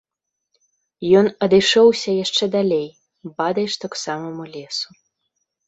Ён адышоўся яшчэ далей, бадай што к самаму лесу.